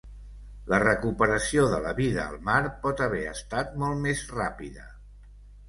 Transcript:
La recuperació de la vida al mar pot haver estat molt més ràpida.